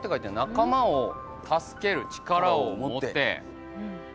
「仲間を助ける力をもて。」